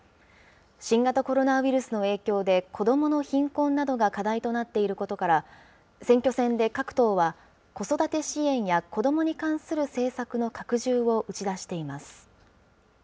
新型コロナウイルスの影響で、子どもの貧困などが課題となっていることから、選挙戦で各党は、子育て支援や子どもに関する政策の拡充を打ち出しています。